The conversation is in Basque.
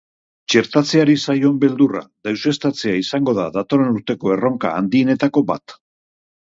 Txertatzeari zaion beldurra deuseztatzea izango da datorren urteko erronka handienetako bat.